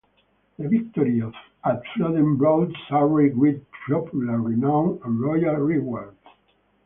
The victory at Flodden brought Surrey great popular renown and royal rewards.